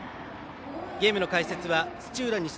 ゲームの解説は土浦